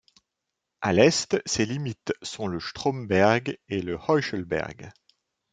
À l'est, ses limites sont le Stromberg et le Heuchelberg.